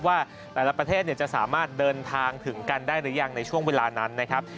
ว่าแต่ละประเทศจะสามารถเดินทางถึงกันได้หรือยังในช่วงเวลานั้นนะครับ